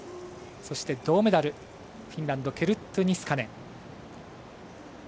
そして銅メダルフィンランドのケルットゥ・ニスカネン。